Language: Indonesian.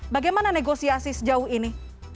bagaimana negosiasi sejauh ini